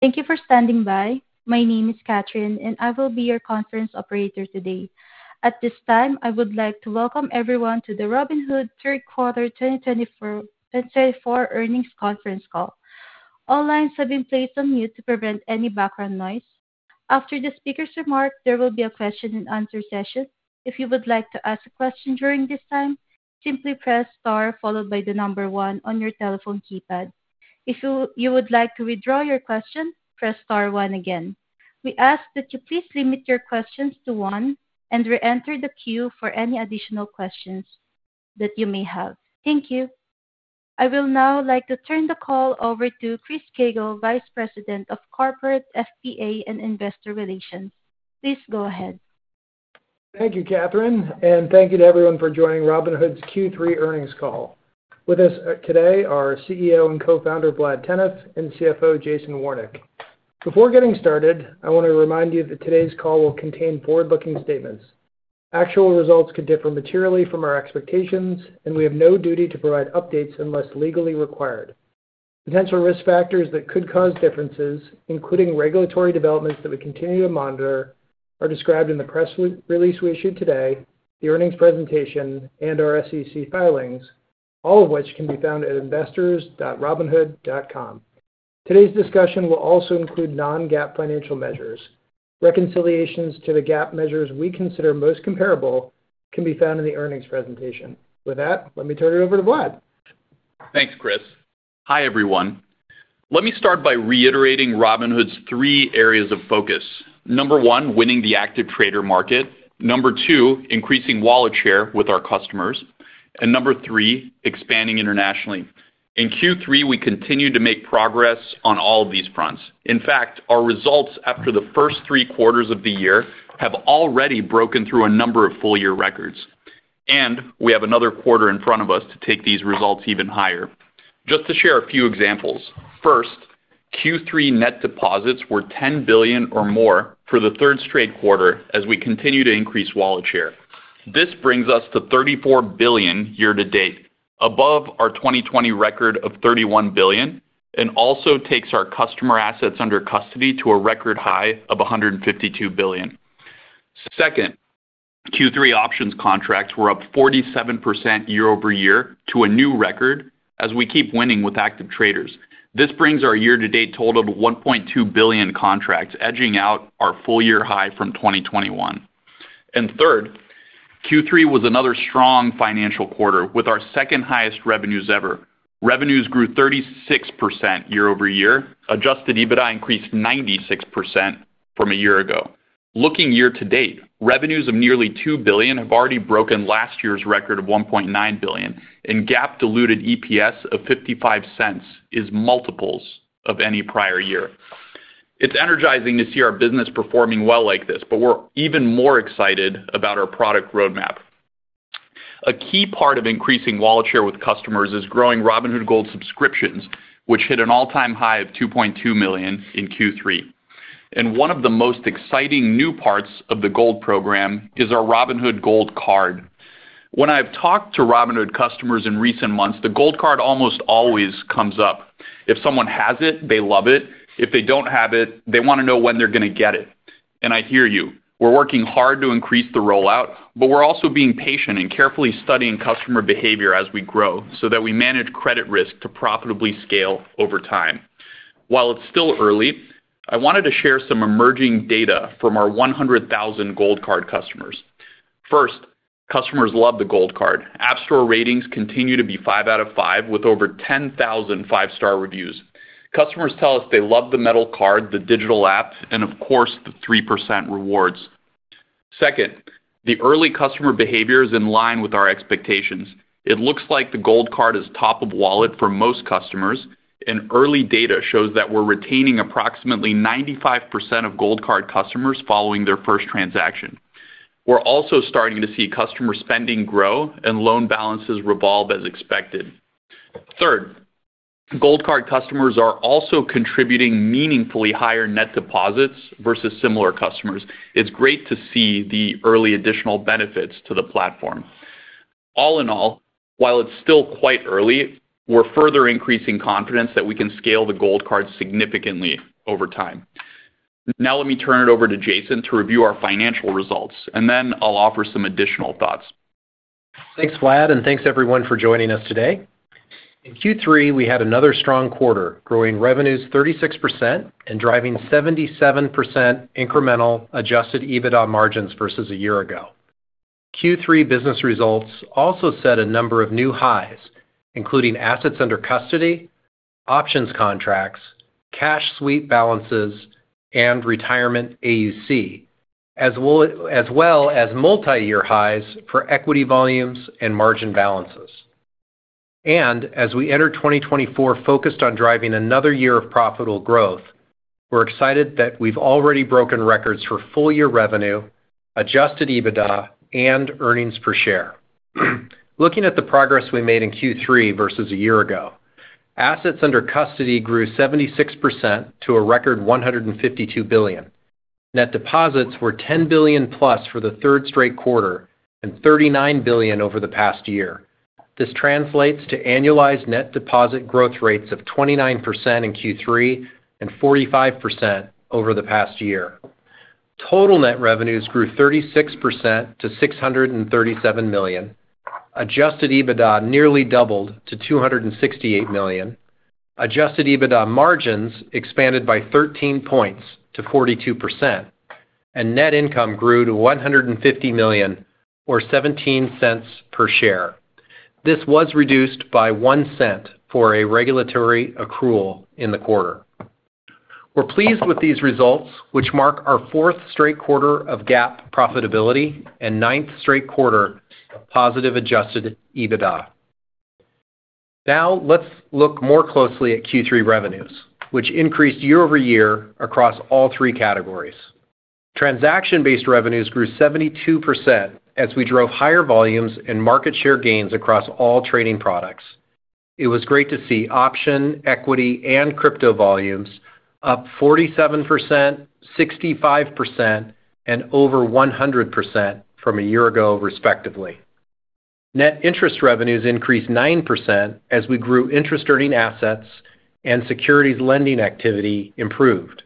Thank you for standing by. My name is Katherine, and I will be your conference operator today. At this time, I would like to welcome everyone to the Robinhood Q3 2024 earnings conference call. All lines have been placed on mute to prevent any background noise. After the speaker's remark, there will be a question-and-answer session. If you would like to ask a question during this time, simply press star followed by the number one on your telephone keypad. If you would like to withdraw your question, press star one again. We ask that you please limit your questions to one and re-enter the queue for any additional questions that you may have. Thank you. I will now like to turn the call over to Chris Koegel, Vice President of Corporate FP&A and Investor Relations. Please go ahead. Thank you, Katherine, and thank you to everyone for joining Robinhood's Q3 earnings call. With us today are CEO and Co-founder Vlad Tenev and CFO Jason Warnick. Before getting started, I want to remind you that today's call will contain forward-looking statements. Actual results could differ materially from our expectations, and we have no duty to provide updates unless legally required. Potential risk factors that could cause differences, including regulatory developments that we continue to monitor, are described in the press release we issued today, the earnings presentation, and our SEC filings, all of which can be found at investors.robinhood.com. Today's discussion will also include non-GAAP financial measures. Reconciliations to the GAAP measures we consider most comparable can be found in the earnings presentation. With that, let me turn it over to Vlad. Thanks, Chris. Hi, everyone. Let me start by reiterating Robinhood's three areas of focus. Number one, winning the active trader market. Number two, increasing wallet share with our customers. And number three, expanding internationally. In Q3, we continue to make progress on all of these fronts. In fact, our results after the first three quarters of the year have already broken through a number of full-year records. And we have another quarter in front of us to take these results even higher. Just to share a few examples. First, Q3 net deposits were $10 billion or more for the third straight quarter as we continue to increase wallet share. This brings us to $34 billion year to date, above our 2020 record of $31 billion, and also takes our customer assets under custody to a record high of $152 billion. Second, Q3 options contracts were up 47% year-over-year to a new record as we keep winning with active traders. This brings our year-to-date total to $1.2 billion contracts, edging out our full-year high from 2021. And third, Q3 was another strong financial quarter with our second-highest revenues ever. Revenues grew 36% year-over-year. Adjusted EBITDA increased 96% from a year ago. Looking year to date, revenues of nearly $2 billion have already broken last year's record of $1.9 billion, and GAAP-diluted EPS of $0.55 is multiples of any prior year. It's energizing to see our business performing well like this, but we're even more excited about our product roadmap. A key part of increasing wallet share with customers is growing Robinhood Gold subscriptions, which hit an all-time high of $2.2 million in Q3. One of the most exciting new parts of the Gold program is our Robinhood Gold Card. When I've talked to Robinhood customers in recent months, the Gold Card almost always comes up. If someone has it, they love it. If they don't have it, they want to know when they're going to get it. And I hear you. We're working hard to increase the rollout, but we're also being patient and carefully studying customer behavior as we grow so that we manage credit risk to profitably scale over time. While it's still early, I wanted to share some emerging data from our 100,000 Gold Card customers. First, customers love the Gold Card. App Store ratings continue to be five out of five with over 10,000 five-star reviews. Customers tell us they love the metal card, the digital app, and of course, the 3% rewards. Second, the early customer behavior is in line with our expectations. It looks like the Gold Card is top of wallet for most customers, and early data shows that we're retaining approximately 95% of Gold Card customers following their first transaction. We're also starting to see customer spending grow and loan balances revolve as expected. Third, Gold Card customers are also contributing meaningfully higher net deposits versus similar customers. It's great to see the early additional benefits to the platform. All in all, while it's still quite early, we're further increasing confidence that we can scale the Gold Card significantly over time. Now let me turn it over to Jason to review our financial results, and then I'll offer some additional thoughts. Thanks, Vlad, and thanks, everyone, for joining us today. In Q3, we had another strong quarter, growing revenues 36% and driving 77% incremental Adjusted EBITDA margins versus a year ago. Q3 business results also set a number of new highs, including assets under custody, options contracts, cash sweep balances, and retirement AUC, as well as multi-year highs for equity volumes and margin balances. And as we enter 2024 focused on driving another year of profitable growth, we're excited that we've already broken records for full-year revenue, Adjusted EBITDA, and earnings per share. Looking at the progress we made in Q3 versus a year ago, assets under custody grew 76% to a record $152 billion. Net deposits were $10 billion plus for the third straight quarter and $39 billion over the past year. This translates to annualized net deposit growth rates of 29% in Q3 and 45% over the past year. Total net revenues grew 36% to $637 million. Adjusted EBITDA nearly doubled to $268 million. Adjusted EBITDA margins expanded by 13 points to 42%, and net income grew to $150 million or $0.17 per share. This was reduced by $0.01 for a regulatory accrual in the quarter. We're pleased with these results, which mark our fourth straight quarter of GAAP profitability and ninth straight quarter of positive adjusted EBITDA. Now let's look more closely at Q3 revenues, which increased year-over-year across all three categories. Transaction-based revenues grew 72% as we drove higher volumes and market share gains across all trading products. It was great to see option, equity, and crypto volumes up 47%, 65%, and over 100% from a year ago, respectively. Net interest revenues increased 9% as we grew interest-earning assets and securities lending activity improved.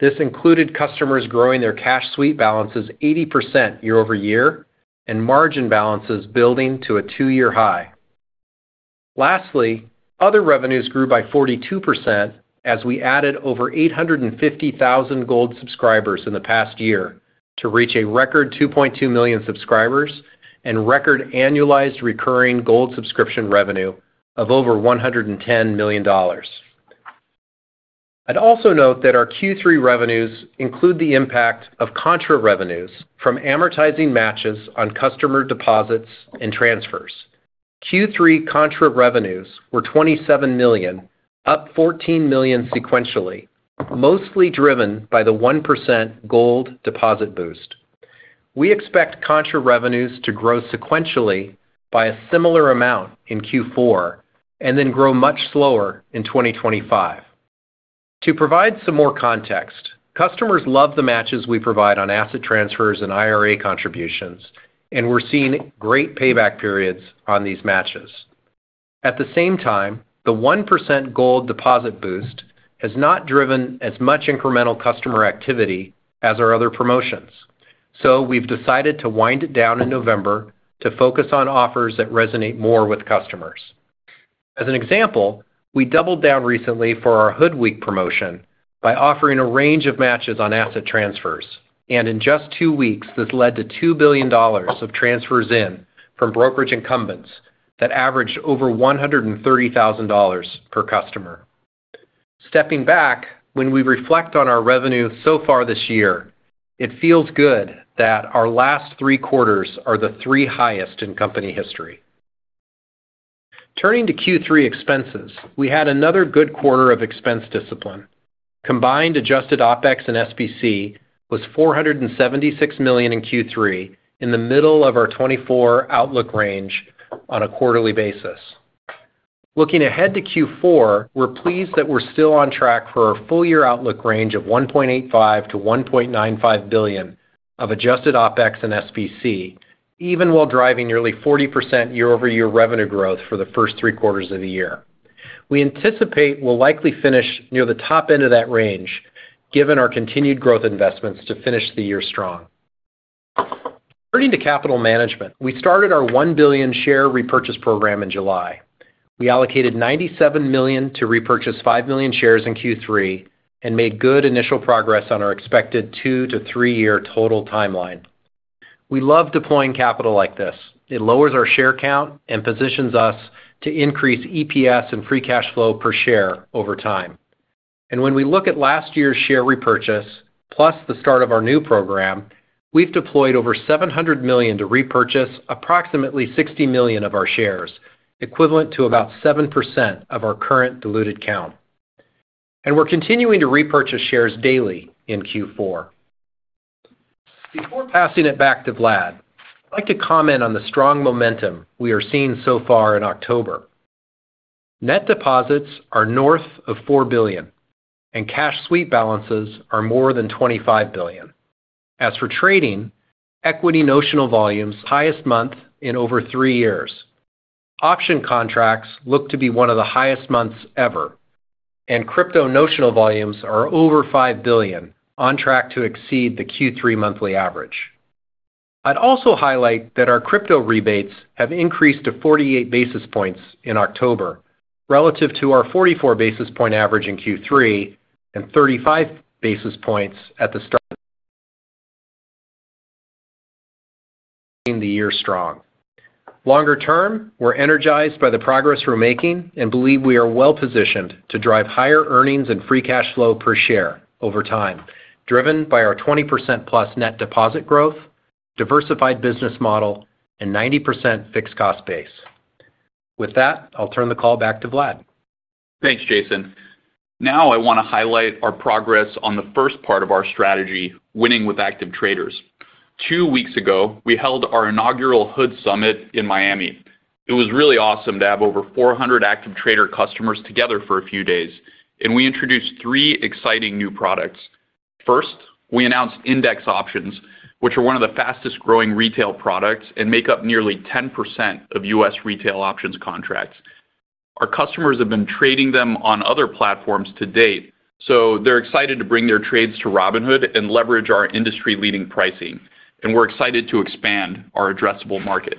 This included customers growing their cash sweep balances 80% year-over-year and margin balances building to a two-year high. Lastly, other revenues grew by 42% as we added over 850,000 Gold subscribers in the past year to reach a record 2.2 million subscribers and record annualized recurring Gold subscription revenue of over $110 million. I'd also note that our Q3 revenues include the impact of contra revenues from amortizing matches on customer deposits and transfers. Q3 contra revenues were $27 million, up $14 million sequentially, mostly driven by the 1% Gold deposit boost. We expect contra revenues to grow sequentially by a similar amount in Q4 and then grow much slower in 2025. To provide some more context, customers love the matches we provide on asset transfers and IRA contributions, and we're seeing great payback periods on these matches. At the same time, the 1% Gold deposit boost has not driven as much incremental customer activity as our other promotions. So we've decided to wind it down in November to focus on offers that resonate more with customers. As an example, we doubled down recently for our HOOD Week promotion by offering a range of matches on asset transfers. And in just two weeks, this led to $2 billion of transfers in from brokerage incumbents that averaged over $130,000 per customer. Stepping back, when we reflect on our revenue so far this year, it feels good that our last three quarters are the three highest in company history. Turning to Q3 expenses, we had another good quarter of expense discipline. Combined adjusted OpEx and SBC was $476 million in Q3 in the middle of our Q4 outlook range on a quarterly basis. Looking ahead to Q4, we're pleased that we're still on track for a full-year outlook range of $1.85 billion-$1.95 billion of adjusted OpEx and SBC, even while driving nearly 40% year-over-year revenue growth for the first three quarters of the year. We anticipate we'll likely finish near the top end of that range, given our continued growth investments to finish the year strong. Turning to capital management, we started our $1 billion share repurchase program in July. We allocated $97 million to repurchase 5 million shares in Q3 and made good initial progress on our expected two- to three-year total timeline. We love deploying capital like this. It lowers our share count and positions us to increase EPS and free cash flow per share over time. When we look at last year's share repurchase, plus the start of our new program, we've deployed over $700 million to repurchase approximately $60 million of our shares, equivalent to about 7% of our current diluted count. We're continuing to repurchase shares daily in Q4. Before passing it back to Vlad, I'd like to comment on the strong momentum we are seeing so far in October. Net deposits are north of $4 billion, and cash sweep balances are more than $25 billion. As for trading, equity notional volumes are highest month in over three years. Option contracts look to be one of the highest months ever. Crypto notional volumes are over $5 billion, on track to exceed the Q3 monthly average. I'd also highlight that our crypto rebates have increased to 48 basis points in October relative to our 44 basis points average in Q3 and 35 basis points at the start of the year strong. Longer term, we're energized by the progress we're making and believe we are well positioned to drive higher earnings and free cash flow per share over time, driven by our 20% plus net deposit growth, diversified business model, and 90% fixed cost base. With that, I'll turn the call back to Vlad. Thanks, Jason. Now I want to highlight our progress on the first part of our strategy, winning with active traders. Two weeks ago, we held our inaugural HOOD Summit in Miami. It was really awesome to have over 400 active trader customers together for a few days, and we introduced three exciting new products. First, we announced index options, which are one of the fastest-growing retail products and make up nearly 10% of U.S. retail options contracts. Our customers have been trading them on other platforms to date, so they're excited to bring their trades to Robinhood and leverage our industry-leading pricing, and we're excited to expand our addressable market.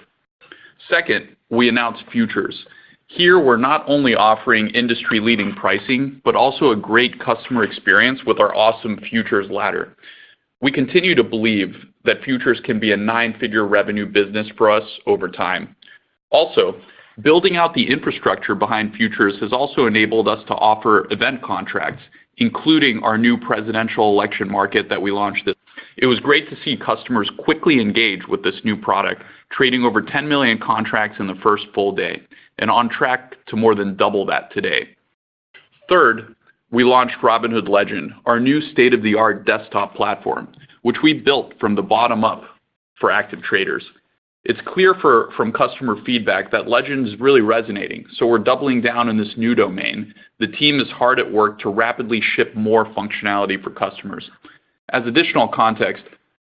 Second, we announced futures. Here, we're not only offering industry-leading pricing but also a great customer experience with our awesome futures ladder. We continue to believe that futures can be a nine-figure revenue business for us over time. Also, building out the infrastructure behind futures has also enabled us to offer event contracts, including our new Presidential Election Market that we launched. It was great to see customers quickly engage with this new product, trading over 10 million contracts in the first full day and on track to more than double that today. Third, we launched Robinhood Legend, our new state-of-the-art desktop platform, which we built from the bottom up for active traders. It's clear from customer feedback that Legend is really resonating, so we're doubling down in this new domain. The team is hard at work to rapidly ship more functionality for customers. As additional context,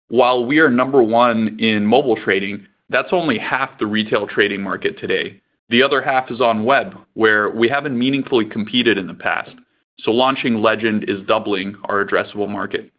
while we are number one in mobile trading, that's only half the retail trading market today. The other half is on web, where we haven't meaningfully competed in the past. So launching Legend is doubling our addressable market.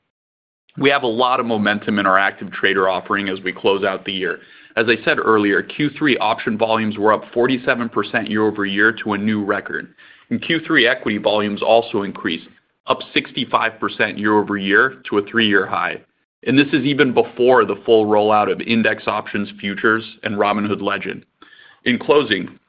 We have a lot of momentum in our active trader offering as we close out the year. As I said earlier, Q3 option volumes were up 47% year-over-year to a new record. And Q3 equity volumes also increased, up 65% year-over-year to a three-year high. And this is even before the full rollout of index options, futures, and Robinhood Legend. In closing,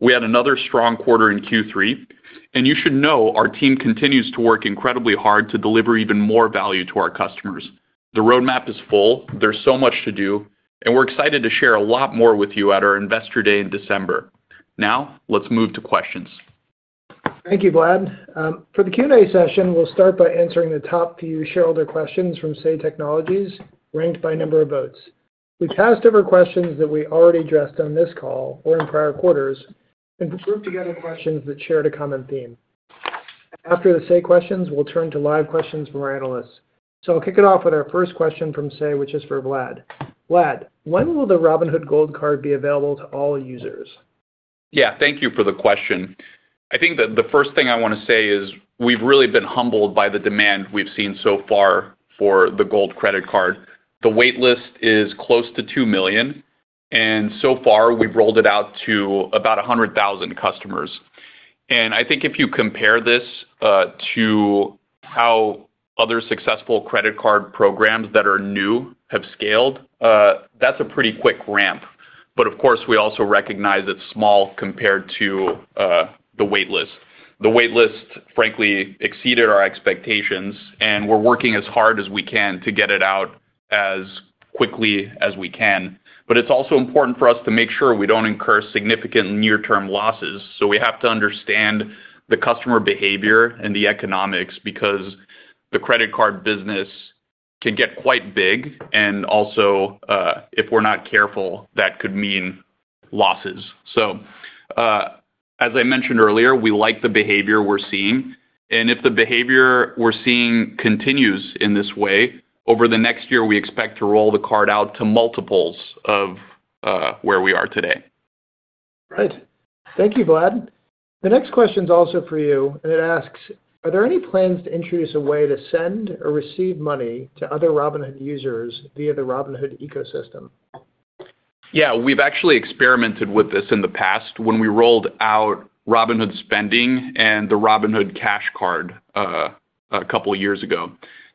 we had another strong quarter in Q3. And you should know our team continues to work incredibly hard to deliver even more value to our customers. The roadmap is full. There's so much to do. And we're excited to share a lot more with you at our investor day in December. Now let's move to questions. Thank you, Vlad. For the Q&A session, we'll start by answering the top few shareholder questions from Say Technologies ranked by number of votes. We passed over questions that we already addressed on this call or in prior quarters and grouped together questions that shared a common theme. After the Say questions, we'll turn to live questions from our analysts. So I'll kick it off with our first question from Say, which is for Vlad. Vlad, when will the Robinhood Gold Card be available to all users? Yeah, thank you for the question. I think that the first thing I want to say is we've really been humbled by the demand we've seen so far for the Gold credit card. The waitlist is close to 2 million, and so far, we've rolled it out to about 100,000 customers. And I think if you compare this to how other successful credit card programs that are new have scaled, that's a pretty quick ramp, but of course, we also recognize it's small compared to the waitlist. The waitlist, frankly, exceeded our expectations, and we're working as hard as we can to get it out as quickly as we can, but it's also important for us to make sure we don't incur significant near-term losses. So we have to understand the customer behavior and the economics because the credit card business can get quite big. And also, if we're not careful, that could mean losses. So as I mentioned earlier, we like the behavior we're seeing. And if the behavior we're seeing continues in this way, over the next year, we expect to roll the card out to multiples of where we are today. Great. Thank you, Vlad. The next question is also for you. And it asks, are there any plans to introduce a way to send or receive money to other Robinhood users via the Robinhood ecosystem? Yeah, we've actually experimented with this in the past when we rolled out Robinhood spending and the Robinhood cash card a couple of years ago.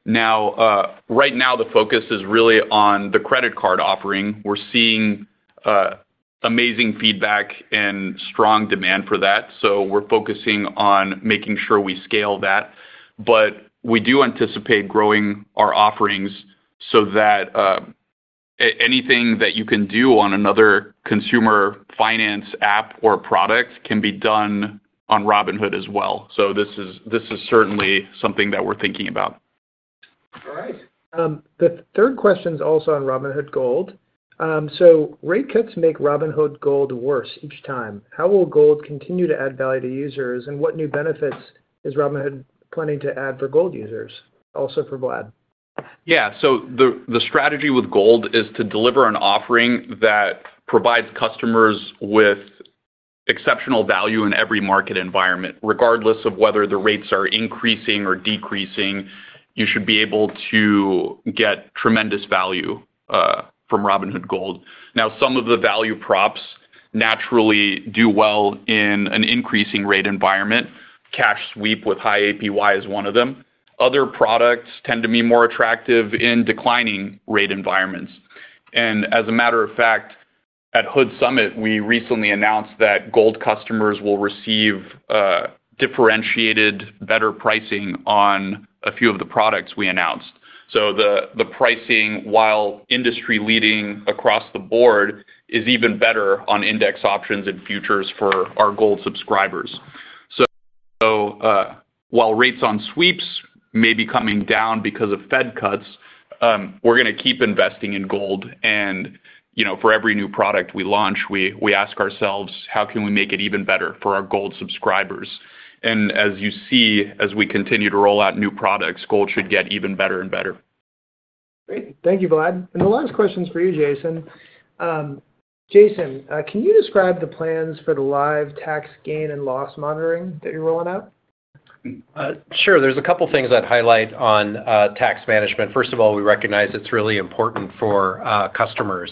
Now, right now, the focus is really on the credit card offering. We're seeing amazing feedback and strong demand for that. So we're focusing on making sure we scale that. But we do anticipate growing our offerings so that anything that you can do on another consumer finance app or product can be done on Robinhood as well. So this is certainly something that we're thinking about. All right. The third question is also on Robinhood Gold. So rate cuts make Robinhood Gold worse each time. How will Gold continue to add value to users? And what new benefits is Robinhood planning to add for Gold users, also for Vlad? Yeah. So the strategy with Gold is to deliver an offering that provides customers with exceptional value in every market environment, regardless of whether the rates are increasing or decreasing. You should be able to get tremendous value from Robinhood Gold. Now, some of the value props naturally do well in an increasing rate environment. Cash sweep with high APY is one of them. Other products tend to be more attractive in declining rate environments. And as a matter of fact, at HOOD Summit, we recently announced that Gold customers will receive differentiated, better pricing on a few of the products we announced. So the pricing, while industry-leading across the board, is even better on index options and futures for our Gold subscribers. So while rates on sweeps may be coming down because of Fed cuts, we're going to keep investing in Gold. And for every new product we launch, we ask ourselves, how can we make it even better for our Gold subscribers? And as you see, as we continue to roll out new products, Gold should get even better and better. Great. Thank you, Vlad. And the last question is for you, Jason. Jason, can you describe the plans for the live tax gain and loss monitoring that you're rolling out? Sure. There's a couple of things I'd highlight on tax management. First of all, we recognize it's really important for customers.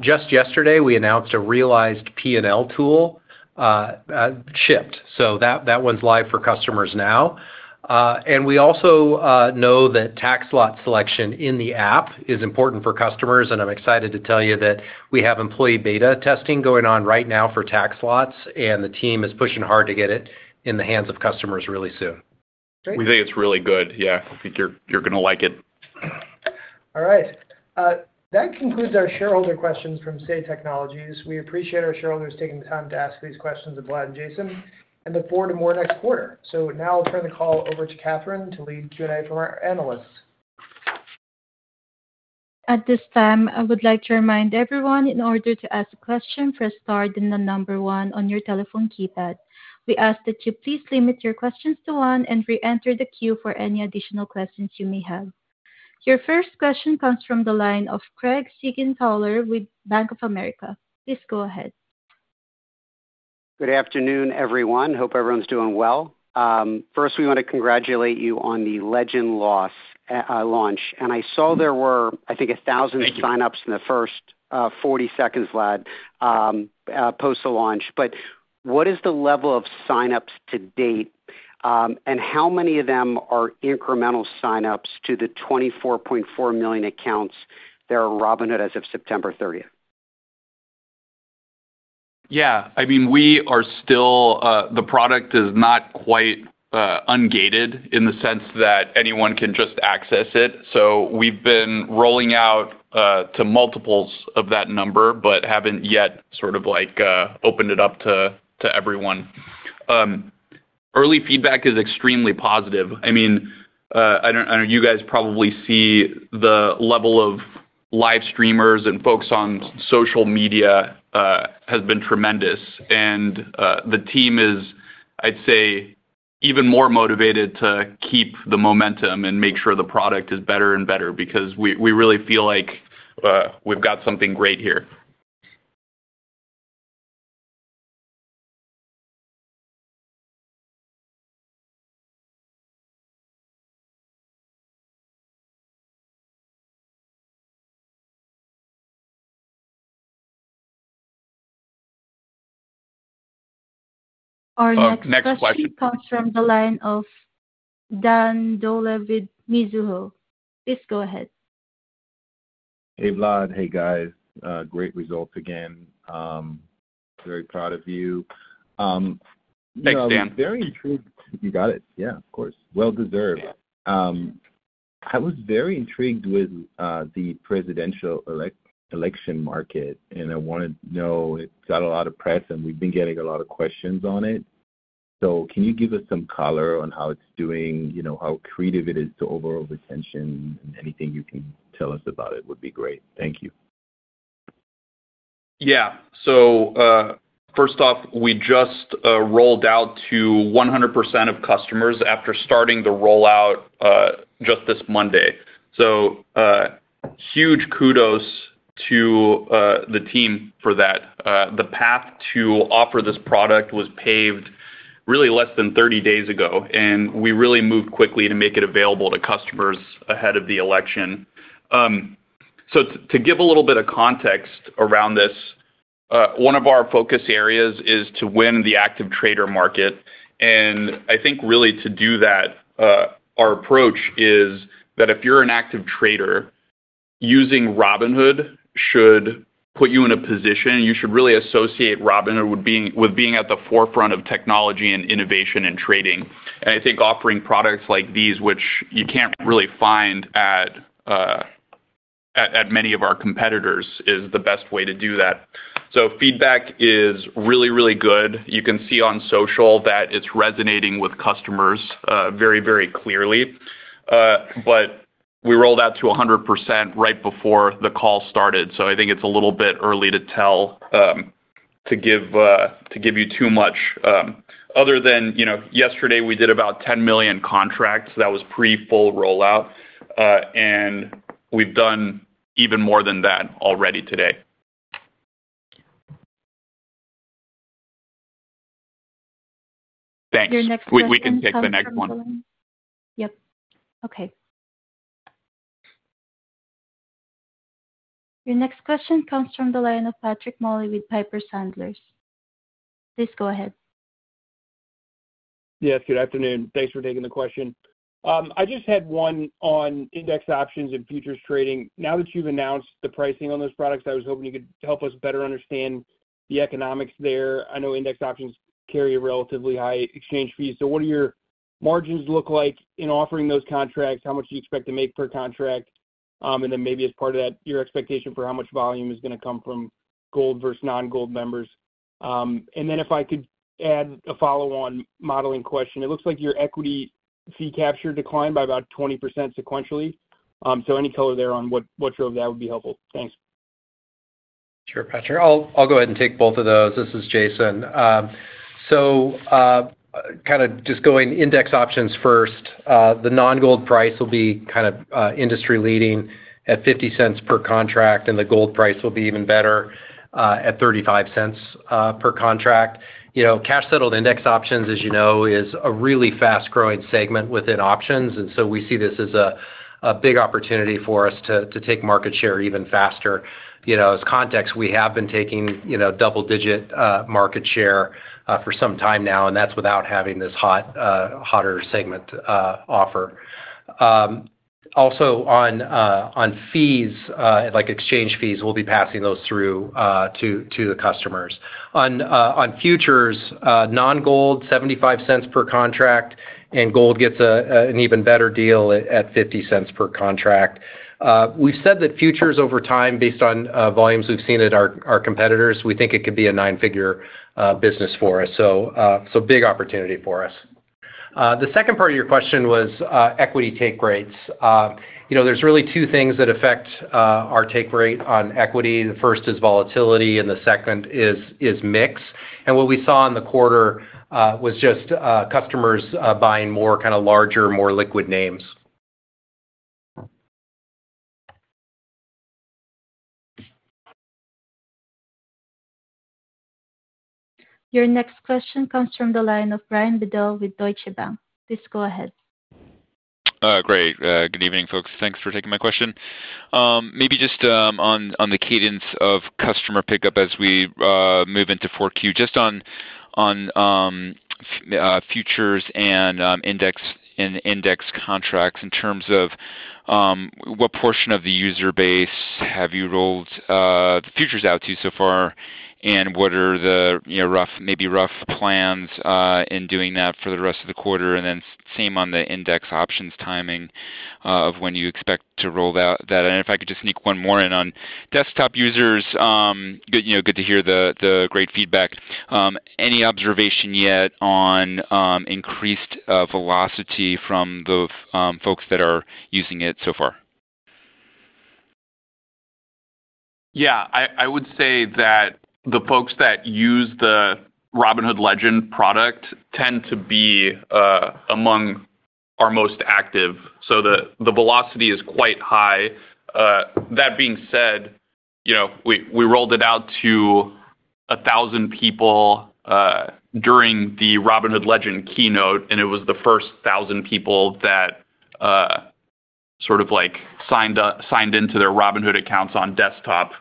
Just yesterday, we announced a realized P&L tool shipped. So that one's live for customers now. And we also know that tax slot selection in the app is important for customers. And I'm excited to tell you that we have employee beta testing going on right now for tax slots. And the team is pushing hard to get it in the hands of customers really soon. We think it's really good. Yeah, I think you're going to like it. All right. That concludes our shareholder questions from Say Technologies. We appreciate our shareholders taking the time to ask these questions of Vlad and Jason and look forward to more next quarter. So now I'll turn the call over to Katherine to lead Q&A from our analysts. At this time, I would like to remind everyone, in order to ask a question, first start in the number one on your telephone keypad. We ask that you please limit your questions to one and re-enter the queue for any additional questions you may have. Your first question comes from the line of Craig Siegenthaler with Bank of America. Please go ahead. Good afternoon, everyone. Hope everyone's doing well. First, we want to congratulate you on the Legend launch. And I saw there were, I think, 1,000 sign-ups in the first 40 seconds, Vlad, post the launch. But what is the level of sign-ups to date? And how many of them are incremental sign-ups to the 24.4 million accounts that are Robinhood as of September 30th? Yeah. I mean, we are still. The product is not quite ungated in the sense that anyone can just access it. So we've been rolling out to multiples of that number but haven't yet sort of opened it up to everyone. Early feedback is extremely positive. I mean, I know you guys probably see the level of live streamers and folks on social media has been tremendous. And the team is, I'd say, even more motivated to keep the momentum and make sure the product is better and better because we really feel like we've got something great here. Our next question comes from the line of Dan Dolev of Mizuho. Please go ahead. Hey, Vlad. Hey, guys. Great results again. Very proud of you. Thanks, Dan. You got it. Yeah, of course. Well deserved. I was very intrigued with the Presidential Election Market, and I wanted to know, it's got a lot of press, and we've been getting a lot of questions on it. So can you give us some color on how it's doing, how it contributes to overall retention? Anything you can tell us about it would be great. Thank you. Yeah. So first off, we just rolled out to 100% of customers after starting the rollout just this Monday. So huge kudos to the team for that. The path to offer this product was paved really less than 30 days ago. And we really moved quickly to make it available to customers ahead of the election. So to give a little bit of context around this, one of our focus areas is to win the active trader market. And I think really to do that, our approach is that if you're an active trader, using Robinhood should put you in a position. You should really associate Robinhood with being at the forefront of technology and innovation and trading. And I think offering products like these, which you can't really find at many of our competitors, is the best way to do that. So feedback is really, really good. You can see on social that it's resonating with customers very, very clearly. But we rolled out to 100% right before the call started. So I think it's a little bit early to tell, to give you too much. Other than yesterday, we did about 10 million contracts. That was pre-full rollout. And we've done even more than that already today. Thanks. Your next question comes from. We can take the next one. Yep. Okay. Your next question comes from the line of Patrick Moley with Piper Sandler. Please go ahead. Yes, good afternoon. Thanks for taking the question. I just had one on index options and futures trading. Now that you've announced the pricing on those products, I was hoping you could help us better understand the economics there. I know index options carry a relatively high exchange fee. So what do your margins look like in offering those contracts? How much do you expect to make per contract? And then maybe as part of that, your expectation for how much volume is going to come from Gold versus non-Gold members. And then if I could add a follow-on modeling question, it looks like your equity fee capture declined by about 20% sequentially. So any color there on what drove that would be helpful. Thanks. Sure, Patrick. I'll go ahead and take both of those. This is Jason. So kind of just going index options first, the non-Gold price will be kind of industry-leading at $0.50 per contract. And the Gold price will be even better at $0.35 per contract. Cash-settled index options, as you know, is a really fast-growing segment within options. And so we see this as a big opportunity for us to take market share even faster. As context, we have been taking double-digit market share for some time now. And that's without having this hotter segment offer. Also on fees, like exchange fees, we'll be passing those through to the customers. On futures, non-Gold, $0.75 per contract. And Gold gets an even better deal at $0.50 per contract. We've said that futures over time, based on volumes we've seen at our competitors, we think it could be a nine-figure business for us. So big opportunity for us. The second part of your question was equity take rates. There's really two things that affect our take rate on equity. The first is volatility, and the second is mix. And what we saw in the quarter was just customers buying more kind of larger, more liquid names. Your next question comes from the line of Brian Bedell with Deutsche Bank. Please go ahead. Great. Good evening, folks. Thanks for taking my question. Maybe just on the cadence of customer pickup as we move into 4Q, just on futures and index options in terms of what portion of the user base have you rolled futures out to so far? And what are the maybe rough plans in doing that for the rest of the quarter? And then same on the index options timing of when you expect to roll that. And if I could just sneak one more in on desktop users, good to hear the great feedback. Any observation yet on increased velocity from the folks that are using it so far? Yeah. I would say that the folks that use the Robinhood Legend product tend to be among our most active. So the velocity is quite high. That being said, we rolled it out to 1,000 people during the Robinhood Legend keynote. And it was the first 1,000 people that sort of signed into their Robinhood accounts on desktop.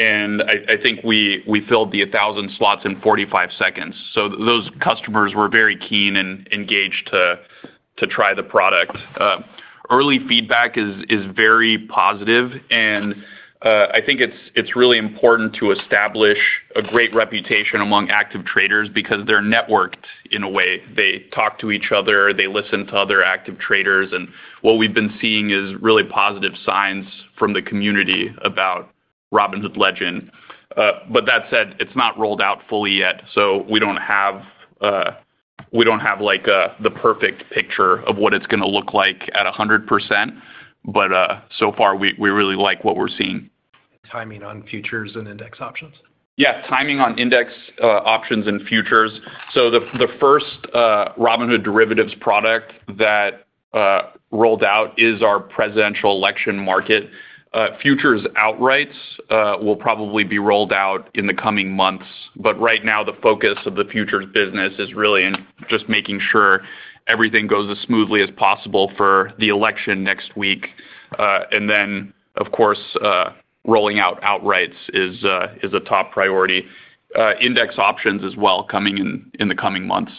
And I think we filled the 1,000 slots in 45 seconds. So those customers were very keen and engaged to try the product. Early feedback is very positive. And I think it's really important to establish a great reputation among active traders because they're networked in a way. They talk to each other. They listen to other active traders. And what we've been seeing is really positive signs from the community about Robinhood Legend. But that said, it's not rolled out fully yet. So we don't have the perfect picture of what it's going to look like at 100%. But so far, we really like what we're seeing. Timing on futures and index options? Yeah. Timing on index options and futures. So the first Robinhood derivatives product that rolled out is our Presidential Election Market. Futures outrights will probably be rolled out in the coming months. But right now, the focus of the futures business is really just making sure everything goes as smoothly as possible for the election next week. And then, of course, rolling out outrights is a top priority. Index options as well, coming in the coming months.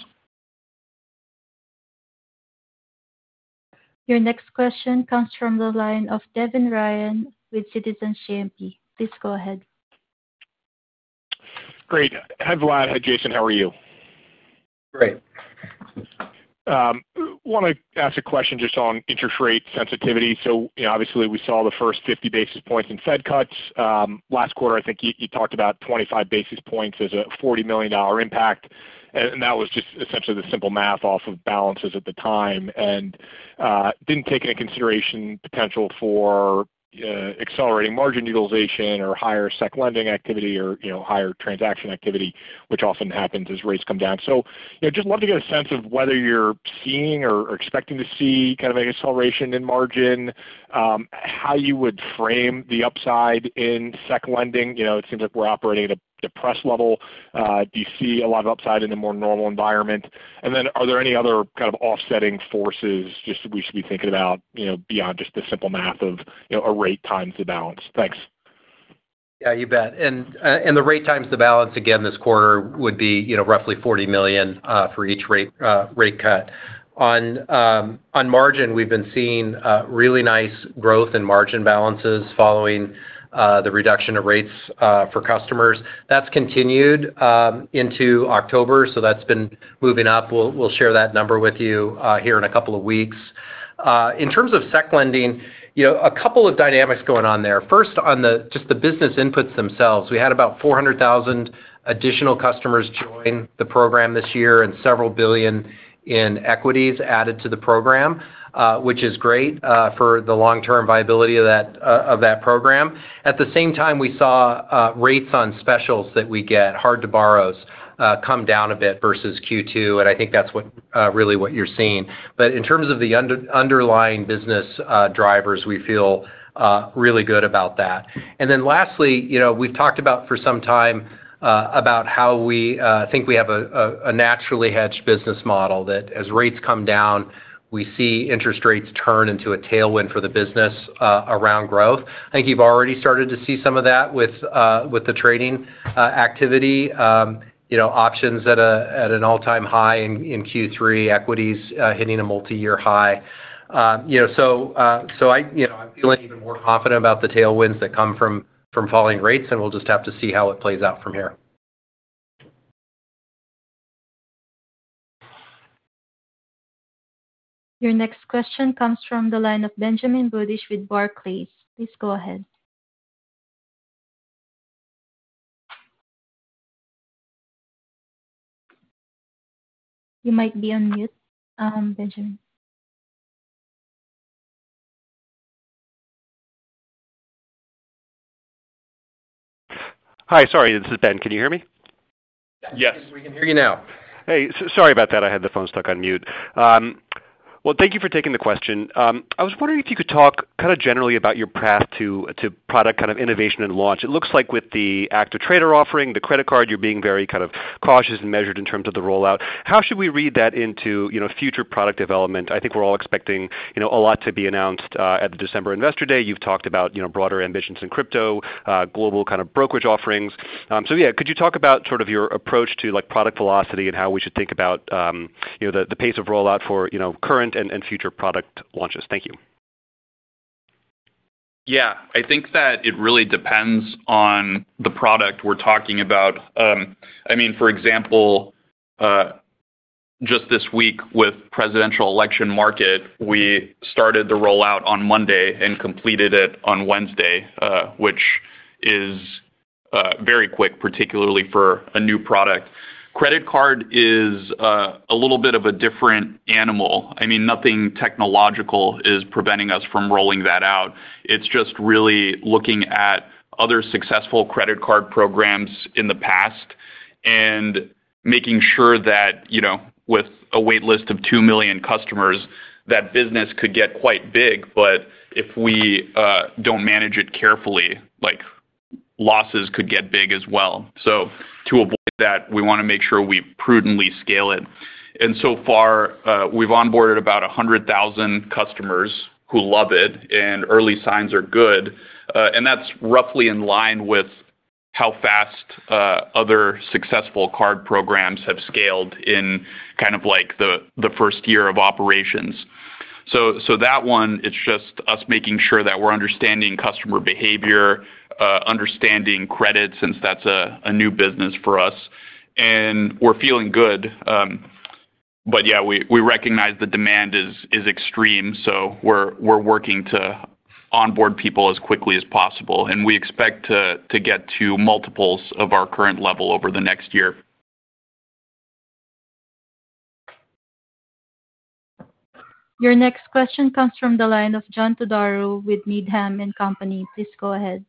Your next question comes from the line of Devin Ryan with Citizens JMP. Please go ahead. Great. Hi, Vlad. Hi, Jason. How are you? Great. Want to ask a question just on interest rate sensitivity. So obviously, we saw the first 50 basis points in Fed cuts. Last quarter, I think you talked about 25 basis points as a $40 million impact. And that was just essentially the simple math off of balances at the time. And didn't take into consideration potential for accelerating margin utilization or higher SEC lending activity or higher transaction activity, which often happens as rates come down. So just love to get a sense of whether you're seeing or expecting to see kind of an acceleration in margin, how you would frame the upside in SEC lending. It seems like we're operating at a depressed level. Do you see a lot of upside in a more normal environment? And then, are there any other kind of offsetting forces just we should be thinking about beyond just the simple math of a rate times the balance? Thanks. Yeah, you bet. And the rate times the balance again this quarter would be roughly $40 million for each rate cut. On margin, we've been seeing really nice growth in margin balances following the reduction of rates for customers. That's continued into October. So that's been moving up. We'll share that number with you here in a couple of weeks. In terms of securities lending, a couple of dynamics going on there. First, on just the business inputs themselves, we had about 400,000 additional customers join the program this year and several billion dollars in equities added to the program, which is great for the long-term viability of that program. At the same time, we saw rates on specials that we get, hard-to-borrows, come down a bit versus Q2. And I think that's really what you're seeing. But in terms of the underlying business drivers, we feel really good about that. And then lastly, we've talked about for some time how we think we have a naturally hedged business model that as rates come down, we see interest rates turn into a tailwind for the business around growth. I think you've already started to see some of that with the trading activity. Options at an all-time high in Q3, equities hitting a multi-year high. So I'm feeling even more confident about the tailwinds that come from falling rates. And we'll just have to see how it plays out from here. Your next question comes from the line of Benjamin Budish with Barclays. Please go ahead. You might be on mute, Benjamin. Hi. Sorry. This is Ben. Can you hear me? Yes. We can hear you now. Hey. Sorry about that. I had the phone stuck on mute. Well, thank you for taking the question. I was wondering if you could talk kind of generally about your path to product kind of innovation and launch. It looks like with the active trader offering, the credit card, you're being very kind of cautious and measured in terms of the rollout. How should we read that into future product development? I think we're all expecting a lot to be announced at the December Investor Day. You've talked about broader ambitions in crypto, global kind of brokerage offerings. So yeah, could you talk about sort of your approach to product velocity and how we should think about the pace of rollout for current and future product launches? Thank you. Yeah. I think that it really depends on the product we're talking about. I mean, for example, just this week with Presidential Election Market, we started the rollout on Monday and completed it on Wednesday, which is very quick, particularly for a new product. Credit card is a little bit of a different animal. I mean, nothing technological is preventing us from rolling that out. It's just really looking at other successful credit card programs in the past and making sure that with a waitlist of 2 million customers, that business could get quite big. But if we don't manage it carefully, losses could get big as well. So to avoid that, we want to make sure we prudently scale it. And so far, we've onboarded about 100,000 customers who love it. And early signs are good. And that's roughly in line with how fast other successful card programs have scaled in kind of the first year of operations. So that one, it's just us making sure that we're understanding customer behavior, understanding credits since that's a new business for us. And we're feeling good. But yeah, we recognize the demand is extreme. So we're working to onboard people as quickly as possible. And we expect to get to multiples of our current level over the next year. Your next question comes from the line of John Todaro with Needham & Company. Please go ahead.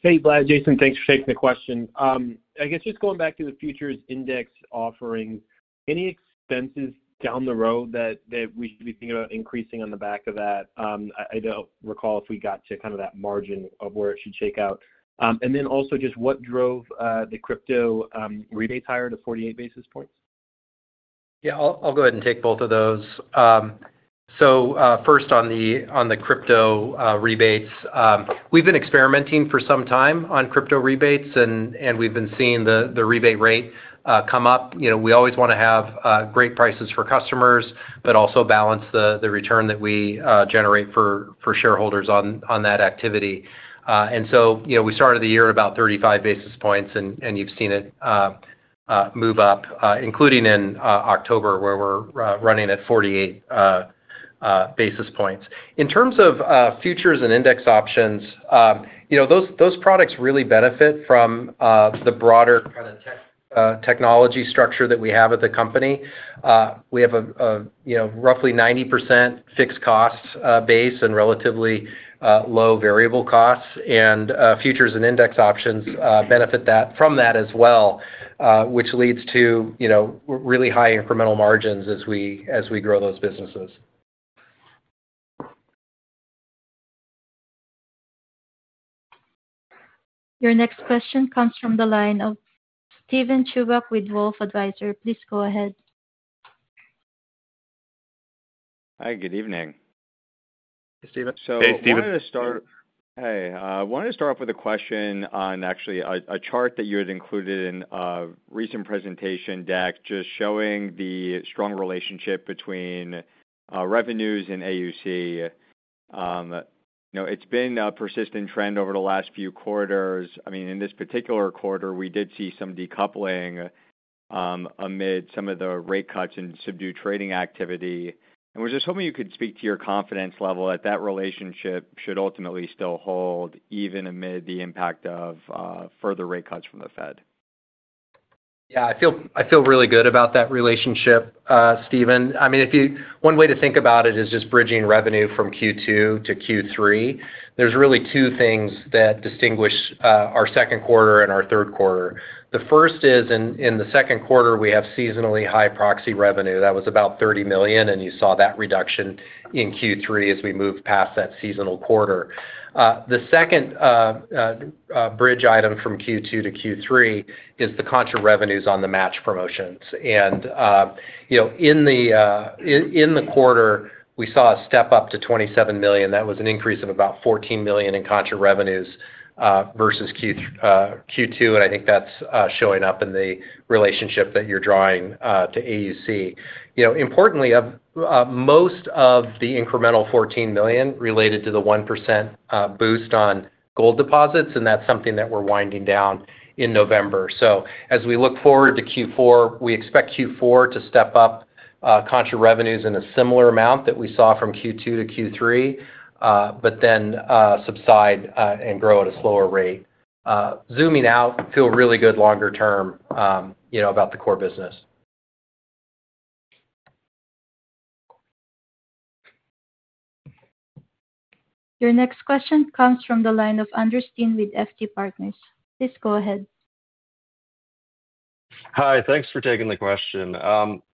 Hey, Vlad, Jason, thanks for taking the question. I guess just going back to the futures index offering, any expenses down the road that we should be thinking about increasing on the back of that? I don't recall if we got to kind of that margin of where it should shake out? And then also just what drove the crypto rebates higher to 48 basis points? Yeah. I'll go ahead and take both of those. So first, on the crypto rebates, we've been experimenting for some time on crypto rebates. And we've been seeing the rebate rate come up. We always want to have great prices for customers but also balance the return that we generate for shareholders on that activity. And so we started the year at about 35 basis points. And you've seen it move up, including in October where we're running at 48 basis points. In terms of futures and index options, those products really benefit from the broader kind of technology structure that we have at the company. We have a roughly 90% fixed cost base and relatively low variable costs. And futures and index options benefit from that as well, which leads to really high incremental margins as we grow those businesses. Your next question comes from the line of Steven Chubak with Wolfe Research. Please go ahead. Hi. Good evening. Hey, Steven. So I wanted to start. Hey. I wanted to start off with a question on actually a chart that you had included in a recent presentation deck just showing the strong relationship between revenues and AUC. It's been a persistent trend over the last few quarters. I mean, in this particular quarter, we did see some decoupling amid some of the rate cuts and subdued trading activity. And we're just hoping you could speak to your confidence level that that relationship should ultimately still hold even amid the impact of further rate cuts from the Fed. Yeah. I feel really good about that relationship, Steven. I mean, one way to think about it is just bridging revenue from Q2 to Q3. There's really two things that distinguish our second quarter and our third quarter. The first is in the second quarter, we have seasonally high proxy revenue. That was about $30 million. You saw that reduction in Q3 as we moved past that seasonal quarter. The second bridge item from Q2 to Q3 is the contra revenues on the match promotions. And in the quarter, we saw a step up to $27 million. That was an increase of about $14 million in contra revenues versus Q2. And I think that's showing up in the relationship that you're drawing to AUC. Importantly, most of the incremental $14 million related to the 1% boost on gold deposits. And that's something that we're winding down in November. So as we look forward to Q4, we expect Q4 to step up contra revenues in a similar amount that we saw from Q2 to Q3 but then subside and grow at a slower rate. Zooming out, feel really good longer term about the core business. Your next question comes from the line of Andrew Stein with FT Partners. Please go ahead. Hi. Thanks for taking the question.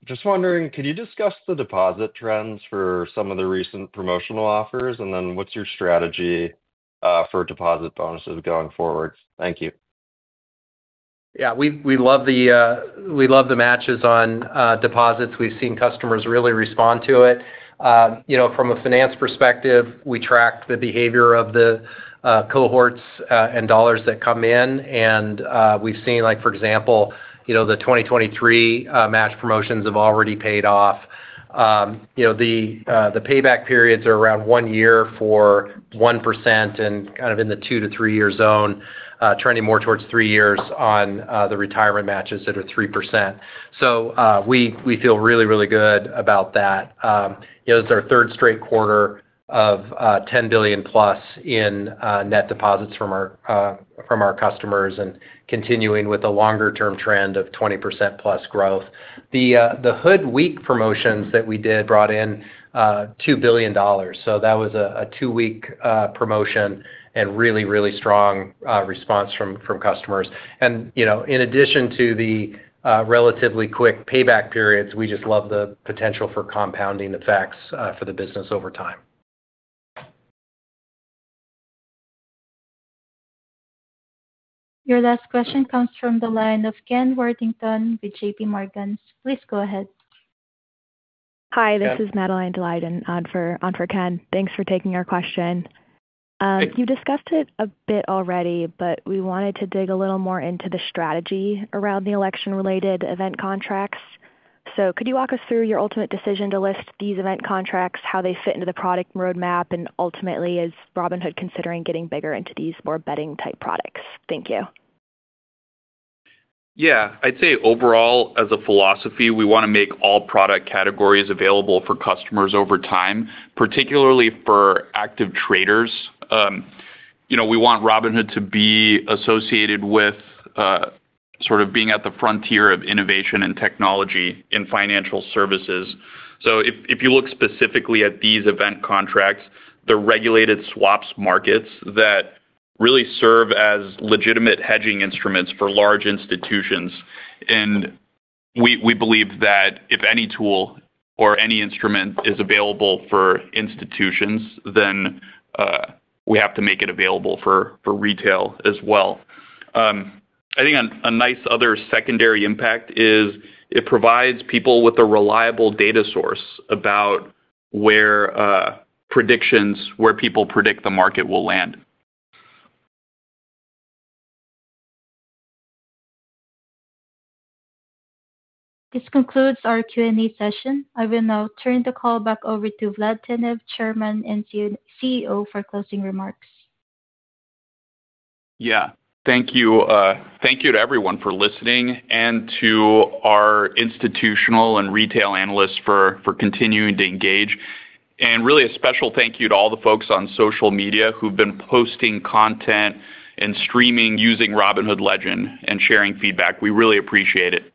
Just wondering, could you discuss the deposit trends for some of the recent promotional offers? And then what's your strategy for deposit bonuses going forward? Thank you. Yeah. We love the matches on deposits. We've seen customers really respond to it. From a finance perspective, we track the behavior of the cohorts and dollars that come in. And we've seen, for example, the 2023 match promotions have already paid off. The payback periods are around one year for 1% and kind of in the two to three-year zone, trending more towards three years on the retirement matches that are 3%. So we feel really, really good about that. It was our third straight quarter of 10 billion plus in net deposits from our customers and continuing with a longer-term trend of 20% plus growth. The HOOD Week promotions that we did brought in $2 billion. So that was a two-week promotion and really, really strong response from customers. In addition to the relatively quick payback periods, we just love the potential for compounding effects for the business over time. Your last question comes from the line of Ken Worthington with JPMorgan. Please go ahead. Hi. This is Madeline Daleiden on for Ken. Thanks for taking our question. You discussed it a bit already, but we wanted to dig a little more into the strategy around the election-related event contracts. So could you walk us through your ultimate decision to list these event contracts, how they fit into the product roadmap, and ultimately, is Robinhood considering getting bigger into these more betting-type products? Thank you. Yeah. I'd say overall, as a philosophy, we want to make all product categories available for customers over time, particularly for active traders. We want Robinhood to be associated with sort of being at the frontier of innovation and technology in financial services. So if you look specifically at these event contracts, they're regulated swaps markets that really serve as legitimate hedging instruments for large institutions. And we believe that if any tool or any instrument is available for institutions, then we have to make it available for retail as well. I think a nice other secondary impact is it provides people with a reliable data source about predictions where people predict the market will land. This concludes our Q&A session. I will now turn the call back over to Vlad Tenev, Chairman and CEO, for closing remarks. Yeah. Thank you. Thank you to everyone for listening and to our institutional and retail analysts for continuing to engage. And really, a special thank you to all the folks on social media who've been posting content and streaming using Robinhood Legend and sharing feedback. We really appreciate it.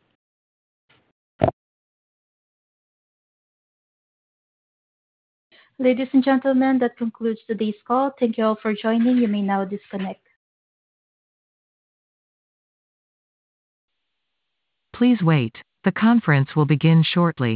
Ladies and gentlemen, that concludes today's call. Thank you all for joining. You may now disconnect. Please wait. The conference will begin shortly.